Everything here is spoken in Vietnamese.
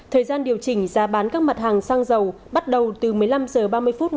thời gian điều chỉnh giá bán các mặt hàng xăng dầu bắt đầu từ một mươi năm h ba mươi ngày hôm nay một mươi chín tháng tám